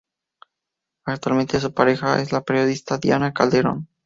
Actualmente su pareja es la periodista Diana Calderón.